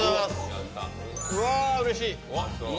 うわうれしい。